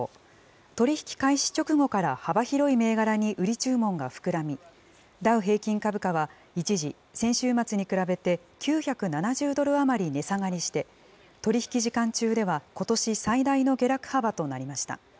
取り引き開始直後から幅広い銘柄に売り注文が膨らみ、ダウ平均株価は一時、先週末に比べて９７０ドル余り値下がりして、取り引き時間中ではことし最大の下落幅となりました。